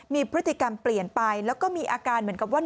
มีพฤติกรรมเปลี่ยนไปแล้วก็มีอาการเหมือนกับว่า